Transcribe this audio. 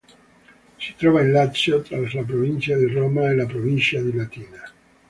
Si trova in Lazio tra la provincia di Roma e la provincia di Latina.